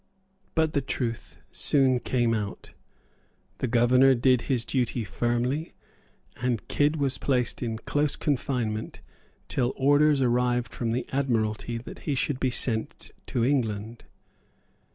But the truth soon came out. The governor did his duty firmly; and Kidd was placed in close confinement till orders arrived from the Admiralty that he should be sent to England.